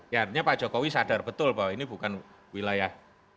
ya artinya pak jokowi sadar betul bahwa ini bukan wilayah